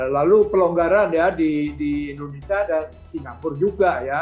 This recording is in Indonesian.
lalu pelonggaran ya di indonesia dan singapura juga ya